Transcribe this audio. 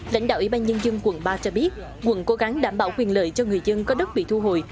lãnh đạo ủy ban nhân dân quận ba cho biết quận cố gắng đảm bảo quyền lợi cho người dân có đất bị thu hồi